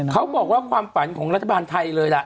เขาบอกว่าความฝันของรัฐบาลไทยเลยล่ะ